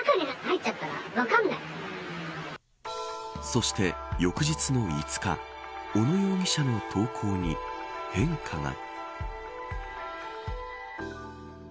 そして翌日の５日小野容疑者の投稿に変化が。